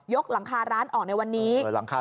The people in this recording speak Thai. หลังคาร้านออกในวันนี้